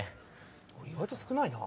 意外と少ないな。